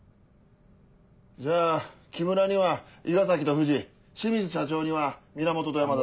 じゃあ木村には伊賀崎と藤清水社長には源と山田で。